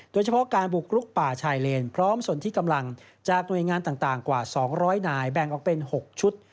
โดยเฉพาะการบุกรุกป่าชายเลนพร้อมส่วนที่กำลังจากหน่วยงานต่างกว่า๒๐๐นายแบ่งออกเป็น๖ชุด